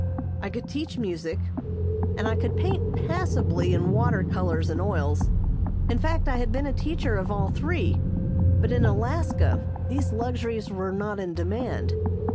I could teach music, and I could paint passably in water colors and oils; in fact, I had been a teacher of all three, but in Alaska these luxuries were not in demand.